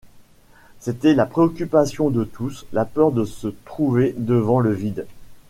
C’était la préoccupation de tous, la peur de se trouver devant le vide.